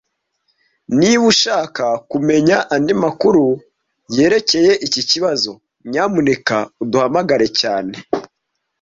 Niba ushaka kumenya andi makuru yerekeye iki kibazo, nyamuneka uduhamagare cyane